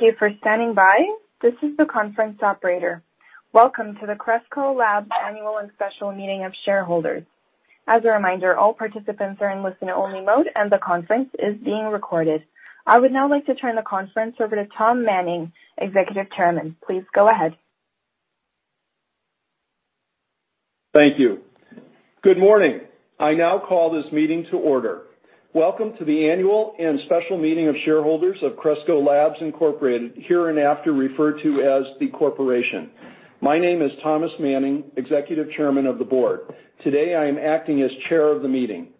Thank you for standing by. This is the conference operator. Welcome to the Cresco Labs Annual and Special Meeting of Shareholders. As a reminder, all participants are in listen-only mode, and the conference is being recorded. I would now like to turn the conference over to Tom Manning, Executive Chairman. Please go ahead. Thank you. Good morning. I now call this meeting to order. Welcome to the Annual and Special Meeting of Shareholders of Cresco Labs Incorporated, hereinafter referred to as the Corporation. My name is Thomas Manning, Executive Chairman of the Board. Today, I am acting as chair of the meeting.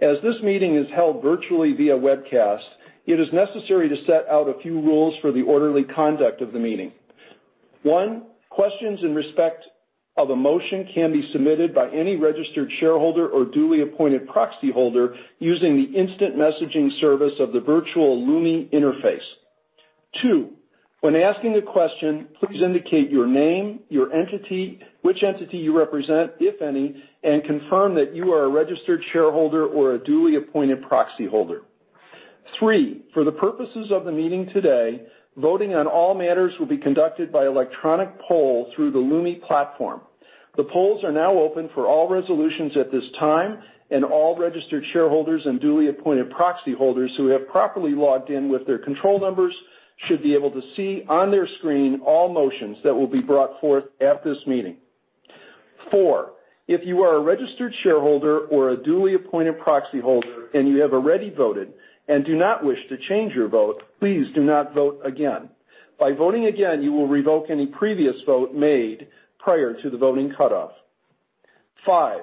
As this meeting is held virtually via webcast, it is necessary to set out a few rules for the orderly conduct of the meeting. One, questions in respect of a motion can be submitted by any registered shareholder or duly appointed proxy holder using the instant messaging service of the virtual Lumi interface. Two, when asking a question, please indicate your name, your entity, which entity you represent, if any, and confirm that you are a registered shareholder or a duly appointed proxy holder. Three, for the purposes of the meeting today, voting on all matters will be conducted by electronic poll through the Lumi platform. The polls are now open for all resolutions at this time, and all registered shareholders and duly appointed proxy holders who have properly logged in with their control numbers should be able to see on their screen all motions that will be brought forth at this meeting. Four, if you are a registered shareholder or a duly appointed proxy holder, and you have already voted and do not wish to change your vote, please do not vote again. By voting again, you will revoke any previous vote made prior to the voting cutoff. Five,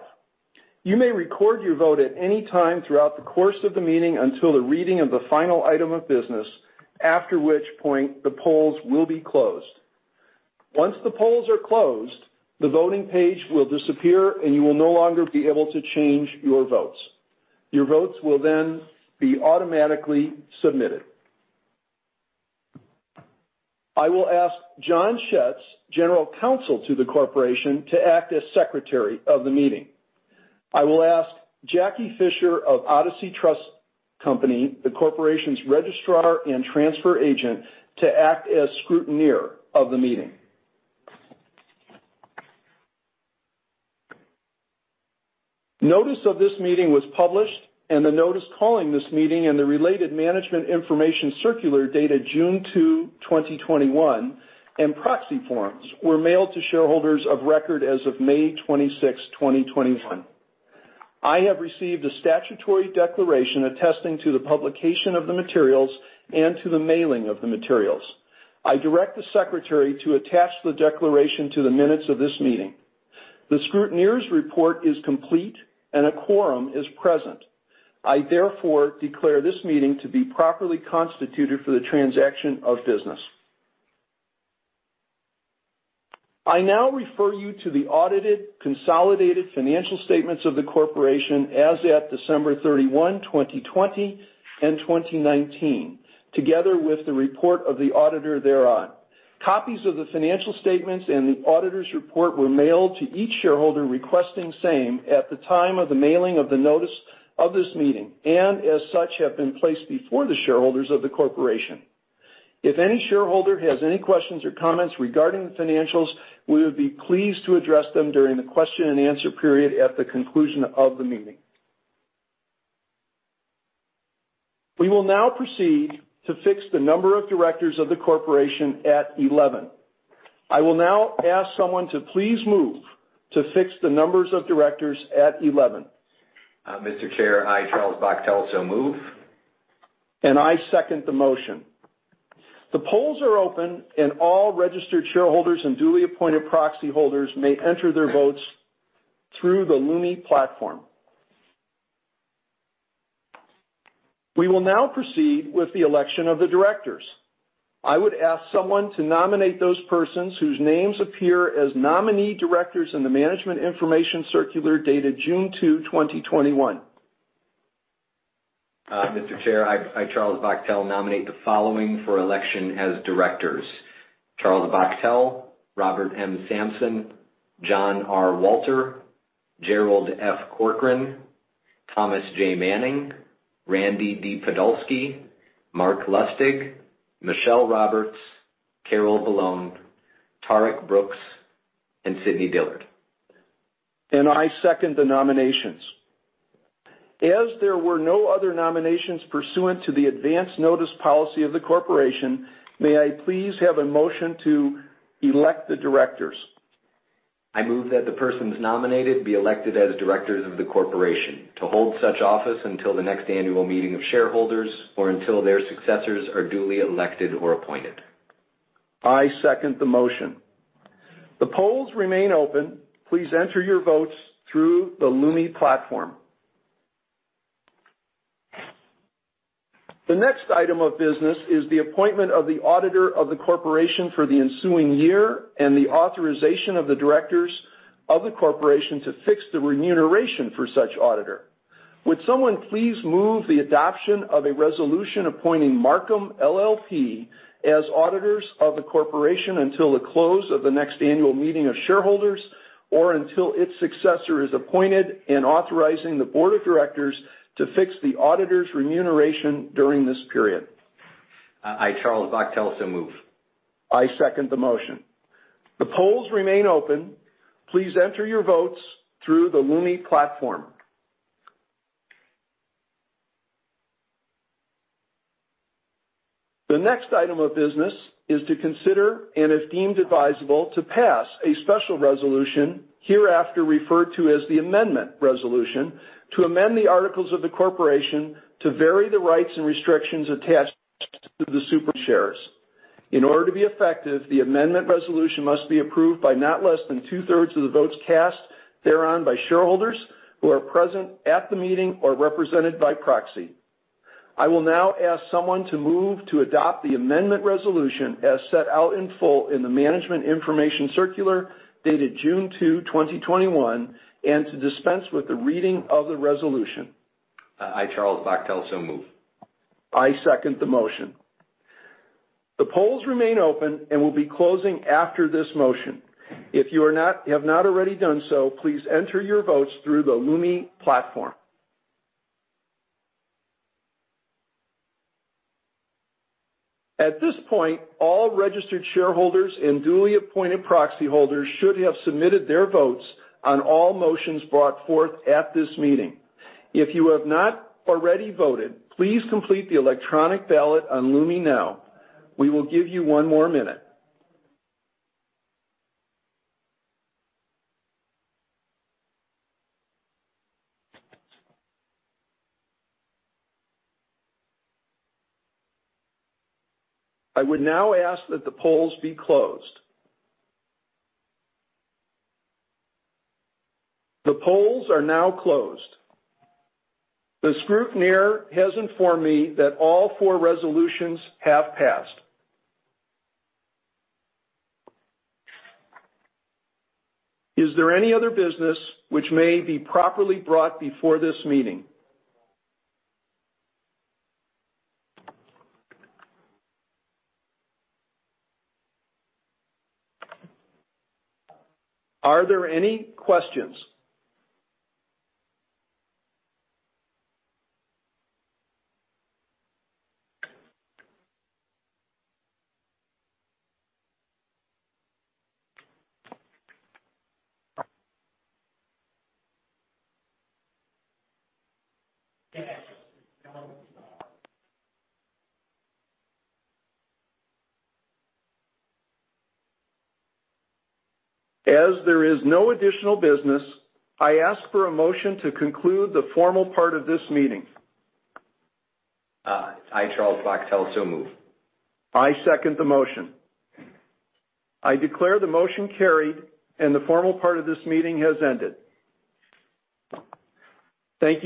you may record your vote at any time throughout the course of the meeting until the reading of the final item of business, after which point the polls will be closed. Once the polls are closed, the voting page will disappear, and you will no longer be able to change your votes. Your votes will then be automatically submitted. I will ask John Schetz, General Counsel to the Corporation, to act as Secretary of the meeting. I will ask Jacquie Fisher of Odyssey Trust Company, the Corporation's Registrar and Transfer Agent, to act as Scrutineer of the meeting. Notice of this meeting was published, and the notice calling this meeting and the related Management Information Circular, dated June 2, 2021, and proxy forms were mailed to shareholders of record as of May 26, 2021. I have received a statutory declaration attesting to the publication of the materials and to the mailing of the materials. I direct the secretary to attach the declaration to the minutes of this meeting. The scrutineer's report is complete, and a quorum is present. I therefore declare this meeting to be properly constituted for the transaction of business. I now refer you to the audited, consolidated financial statements of the corporation as at December 31, 2020, and 2019, together with the report of the auditor thereon. Copies of the financial statements and the auditor's report were mailed to each shareholder requesting same at the time of the mailing of the notice of this meeting, and as such, have been placed before the shareholders of the corporation. If any shareholder has any questions or comments regarding the financials, we would be pleased to address them during the question and answer period at the conclusion of the meeting. We will now proceed to fix the number of directors of the corporation at eleven. I will now ask someone to please move to fix the numbers of directors at eleven. Mr. Chair, I, Charles Bachtell, so move. And I second the motion. The polls are open, and all registered shareholders and duly appointed proxy holders may enter their votes through the Lumi platform. We will now proceed with the election of the directors. I would ask someone to nominate those persons whose names appear as nominee directors in the Management Information Circular dated June two, 2021. Mr. Chair, Charles Bachtell, nominate the following for election as directors: Charles Bachtell, Robert M. Sampson, John R. Walter, Gerald F. Corcoran, Thomas J. Manning, Randy D. Podolsky, Marc Lustig, Michele Roberts, Carol Vallone, Tariq Brooks, and Sidney Dillard. I second the nominations. As there were no other nominations pursuant to the advance notice policy of the Corporation, may I please have a motion to elect the directors? I move that the persons nominated be elected as directors of the Corporation to hold such office until the next annual meeting of shareholders or until their successors are duly elected or appointed. I second the motion. The polls remain open. Please enter your votes through the Lumi platform. The next item of business is the appointment of the auditor of the corporation for the ensuing year and the authorization of the directors of the corporation to fix the remuneration for such auditor. Would someone please move the adoption of a resolution appointing Marcum LLP as auditors of the corporation until the close of the next annual meeting of shareholders, or until its successor is appointed, and authorizing the board of directors to fix the auditor's remuneration during this period? I, Charles Bachtell, so move. I second the motion. The polls remain open. Please enter your votes through the Lumi platform. The next item of business is to consider, and if deemed advisable, to pass a special resolution, hereafter referred to as the amendment resolution, to amend the articles of the Corporation to vary the rights and restrictions attached to the super shares. In order to be effective, the amendment resolution must be approved by not less than two-thirds of the votes cast thereon by shareholders who are present at the meeting or represented by proxy. I will now ask someone to move to adopt the amendment resolution as set out in full in the Management Information Circular dated June two, 2021, and to dispense with the reading of the resolution. I, Charles Bachtell, so move. I second the motion. The polls remain open and will be closing after this motion. If you have not already done so, please enter your votes through the Lumi platform. At this point, all registered shareholders and duly appointed proxy holders should have submitted their votes on all motions brought forth at this meeting. If you have not already voted, please complete the electronic ballot on Lumi now. We will give you one more minute. I would now ask that the polls be closed. The polls are now closed. The scrutineer has informed me that all four resolutions have passed. Is there any other business which may be properly brought before this meeting? Are there any questions? As there is no additional business, I ask for a motion to conclude the formal part of this meeting. I, Charles Bachtell, so move. I second the motion. I declare the motion carried and the formal part of this meeting has ended. Thank you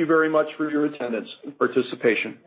very much for your attendance and participation.